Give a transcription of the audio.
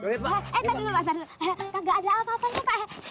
eh tunggu dulu pak tidak ada apa apanya pak